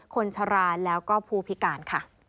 คนชรานและผู้พิการ